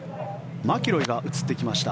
マキロイが映ってきました。